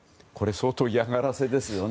相当な嫌がらせですね。